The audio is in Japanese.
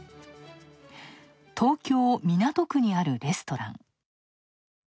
東京・港区にあるレストラン。